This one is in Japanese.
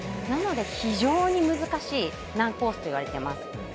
なので、非常に難しい難コースといわれています。